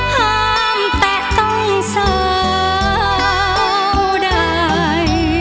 ห้ามแตะต้องสาวใด